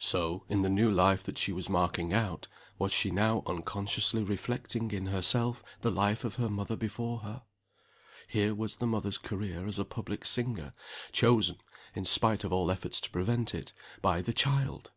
So, in the new life that she was marking out, was she now unconsciously reflecting in herself the life of her mother before her. Here was the mother's career as a public singer, chosen (in spite of all efforts to prevent it) by the child!